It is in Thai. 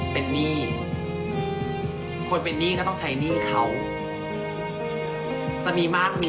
เป็นหนี้คนเป็นหนี้ก็ต้องใช้หนี้เขาจะมีมากมี